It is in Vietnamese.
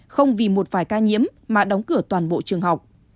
không vì một vài ca nhiễm mà đóng cửa toàn bộ trường học